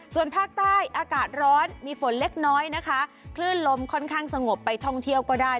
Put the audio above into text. ส่วนภาคใต้อากาศร้อนมีฝนเล็กน้อยนะคะคลื่นลมค่อนข้างสงบไปท่องเที่ยวก็ได้